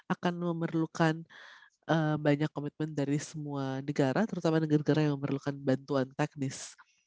akan memerlukan banyak komitmen dari semua negara terutama negara negara yang memerlukan bantuan teknis